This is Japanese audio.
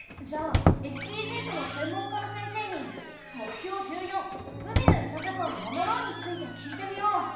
じゃあＳＤＧｓの専門家の先生に目標１４「海の豊かさを守ろう」について聞いてみよう。